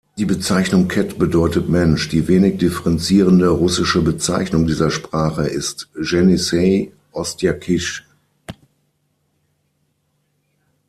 Die Bezeichnung "Ket" bedeutet „Mensch“, die wenig differenzierende russische Bezeichnung dieser Sprache ist Jenissej-Ostjakisch.